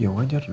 ya wajar dong